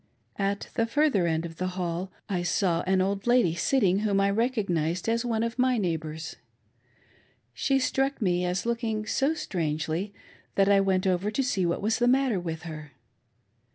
At the further end of the hall I saw an old lady sitting whom I recognised as one of my neigh bors. She struck, me as looking so strangely that I went over to see what was the matter with her.